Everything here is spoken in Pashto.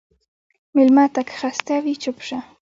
مېلمه ته که خسته وي، چپ شه.